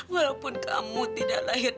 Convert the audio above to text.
walaupun kamu tidak lahir